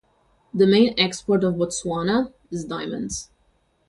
The main export of Botswana is diamonds.